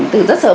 từ rất sớm